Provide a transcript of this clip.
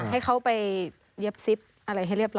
ให้เขาไปเย็บซิปอะไรให้เรียบร้อ